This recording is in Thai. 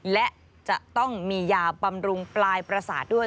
และจะต้องมียาบำรุงปลายประสาทด้วย